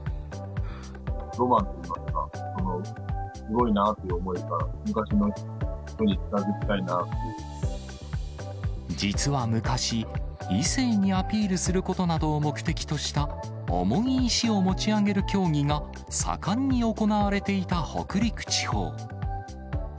ロマンといいますか、すごいなという思いから、実は昔、異性にアピールすることなどを目的とした、重い石を持ち上げる競技が盛んに行われていた北陸地方。